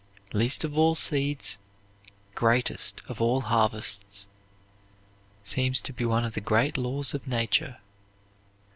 "Least of all seeds, greatest of all harvests," seems to be one of the great laws of nature.